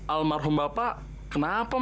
almarhum bapak kenapa mak